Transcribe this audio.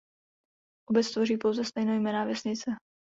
Obec tvoří pouze stejnojmenná vesnice.